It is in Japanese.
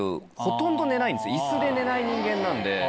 椅子で寝ない人間なんで。